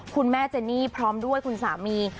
คุณแม่เจนี่พร้อมด้วยคุณสามี